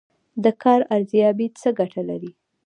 د کار ارزیابي څه ګټه لري؟